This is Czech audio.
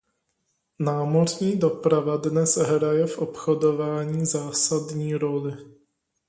Námořní doprava dnes hraje v obchodování zásadní roli.